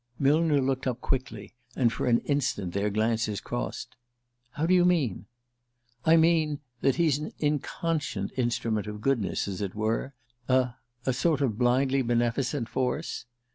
Millner looked up quickly, and for an instant their glances crossed. "How do you mean?" "I mean: that he's an inconscient instrument of goodness, as it were? A a sort of blindly beneficent force?"